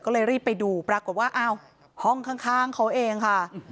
ก็เลยรีบไปดูปรากฏว่าอ้าวห้องข้างเขาเองค่ะ